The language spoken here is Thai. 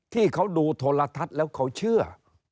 ที่เขาดูโทรทัศน์แล้วเขาเชื่อ